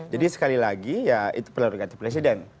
jadi sekali lagi ya itu prerogasi presiden